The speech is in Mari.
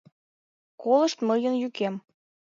Колышт мыйын йӱкем: